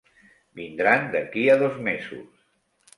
Vindran d'aquí a dos mesos.